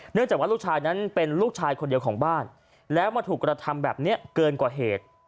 จากว่าลูกชายนั้นเป็นลูกชายคนเดียวของบ้านแล้วมาถูกกระทำแบบนี้เกินกว่าเหตุ